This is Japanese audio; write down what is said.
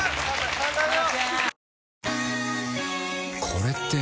これって。